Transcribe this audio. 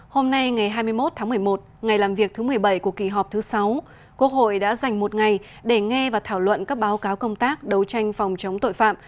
hôm nay ngày hai mươi một tháng một mươi một ngày làm việc thứ một mươi bảy của kỳ họp thứ sáu quốc hội đã dành một ngày để nghe và thảo luận các báo cáo công tác đấu tranh phòng chống tội phạm